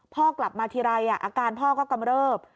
พ่อกลับมาทีไรอาการพ่อก็กำเริบ